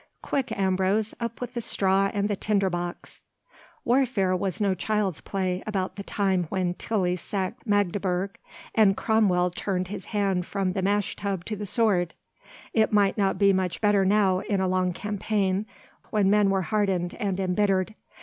Quick, Ambrose, up with the straw and the tinder box." Warfare was no child's play about the time when Tilly sacked Magdeburg, and Cromwell turned his hand from the mash tub to the sword. It might not be much better now in a long campaign, when men were hardened and embittered.